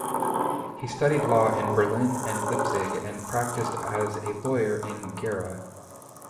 He studied law in Berlin and Leipzig and practiced as a lawyer in Gera.